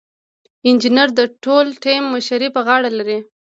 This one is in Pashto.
انجینر د ټول ټیم مشري په غاړه لري.